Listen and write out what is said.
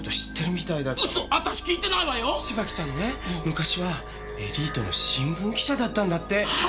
昔はエリートの新聞記者だったんだって。